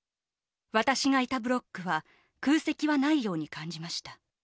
私がいたブロックは空席はないように感じました。